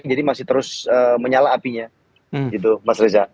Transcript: jadi masih terus menyala apinya gitu mas reza